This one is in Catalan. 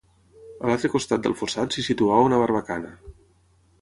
A l'altre costat del fossat s'hi situava una barbacana.